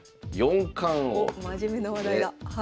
おっ真面目な話題だ。